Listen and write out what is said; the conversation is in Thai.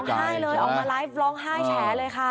ออกมาไลฟ์บล็อคไห้แท้เลยค่ะ